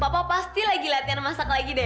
bapak pasti lagi latihan masak lagi deh